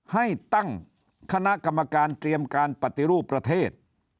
ให้ตั้งคณะกรรมการเตรียมการปฏิรูปประเทศ